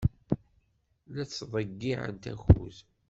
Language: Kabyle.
La ttḍeyyiɛent akud.